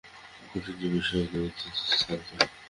খুঁটিনাটি বিষয় নিয়ে উদ্ধৃতি থাকবে।